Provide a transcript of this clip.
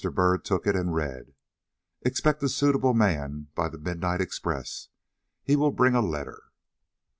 Byrd took it and read: "Expect a suitable man by the midnight express. He will bring a letter."